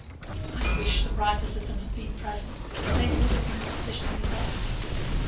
I wish the writers of them had been present: they would have been sufficiently vexed.